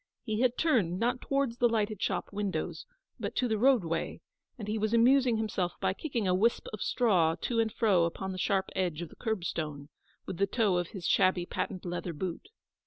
He had turned, not towards the lighted shop windows, but to the roadway; aud he was amusing himself by kicking a wisp of straw to and fro upon the sharp edge of the curbstone, with the toe of his shabby patent leather boot.